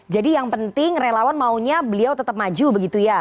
jadi yang penting relawan maunya beliau tetap maju begitu ya